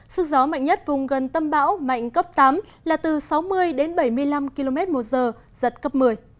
sức gió mạnh nhất vùng gần tâm bão mạnh cấp tám là từ sáu mươi đến bảy mươi năm km một giờ giật cấp một mươi